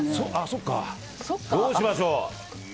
そっかどうしましょう。